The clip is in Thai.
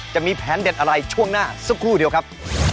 จะมีแผนเด็ดอะไรช่วงหน้าสักครู่เดียวครับ